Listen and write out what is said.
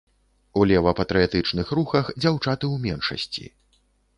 У лева-патрыятычных рухах, дзяўчаты ў меншасці.